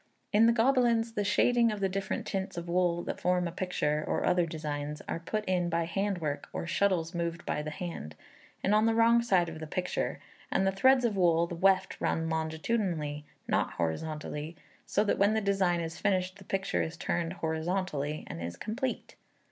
In the Gobelins the shading of the different tints of wool that form a picture, or other designs, are put in by hand work, or shuttles moved by the hand, and on the wrong side of the picture, and the threads of wool, the weft run longitudinally, not horizontally, so that when the design is finished the picture is turned horizontally, and is complete.